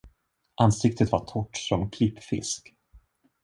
Ansiktet var torrt som klippfisk.